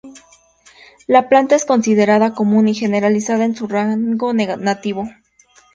La planta es considerada común y generalizada en su rango nativo.